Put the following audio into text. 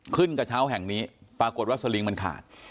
กระเช้าแห่งนี้ปรากฏว่าสลิงมันขาด